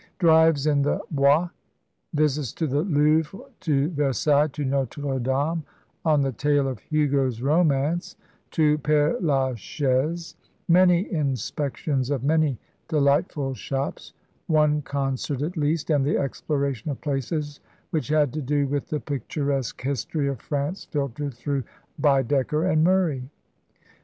Drives in the Bois; visits to the Louvre, to Versailles, to Notre Dame on the tail of Hugo's romance to Père Lachaise; many inspections of many delightful shops, one concert at least, and the exploration of places which had to do with the picturesque history of France filtered through Baedeker and Murray.